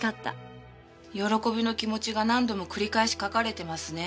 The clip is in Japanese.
喜びの気持ちが何度も繰り返し書かれてますね。